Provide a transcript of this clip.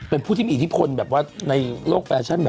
เป็นผู้ที่มีอิทธิพลแบบว่าในโลกแฟชั่นเหมือน